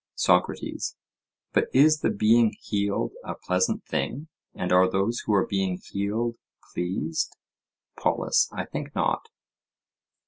SOCRATES: But is the being healed a pleasant thing, and are those who are being healed pleased? POLUS: I think not.